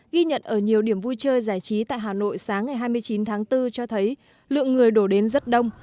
ghi nhận ở nhiều điểm vui chơi giải trí tại hà nội sáng ngày hai mươi chín tháng bốn cho thấy lượng người đổ đến rất đông